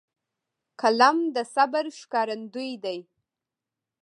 قلم د صبر ښکارندوی دی